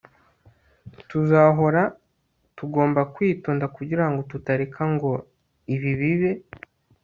tuzahora tugomba kwitonda kugirango tutareka ngo ibi bibe